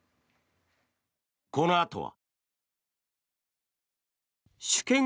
このあとは。